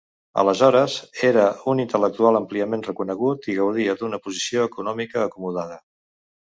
Aleshores, era un intel·lectual àmpliament reconegut i gaudia d'una posició econòmica acomodada.